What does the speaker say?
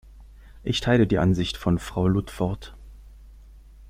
Ich teile die Ansicht von Frau Ludford.